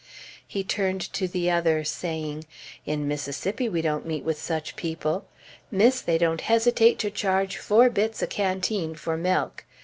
He turned to the other, saying, "In Mississippi we don't meet with such people! Miss, they don't hesitate to charge four bits a canteen for milk.